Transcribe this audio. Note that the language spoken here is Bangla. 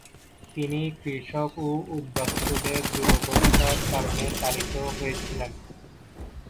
তিনি কৃষক ও উদ্বাস্তুদের দুরবস্থার কারণে তাড়িত হয়েছিলেন।